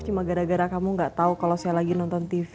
cuma gara gara kamu gak tau kalau saya lagi nonton tv